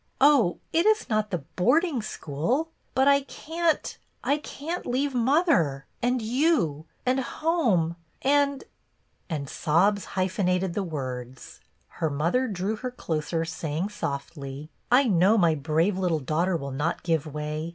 " Oh, it is not the boarding school. But I can't — I can't leave mother — and you — and home — and —" and sobs hyphenated the words. Her mother drew her closer, saying softly, —" I know my brave little daughter will not §ive way.